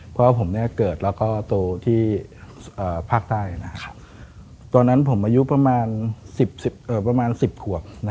เพราะว่าผมเกิดแล้วก็โตที่ภาคใต้ตอนนั้นผมอายุประมาณ๑๐ขวบ